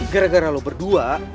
gara gara lo berdua